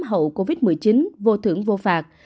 hậu covid một mươi chín vô thưởng vô phạt